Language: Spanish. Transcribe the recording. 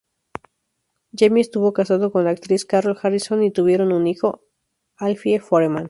Jamie estuvo casado con la actriz Carol Harrison y tuvieron un hijo, Alfie Foreman.